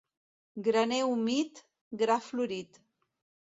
Graner humit, gra florit.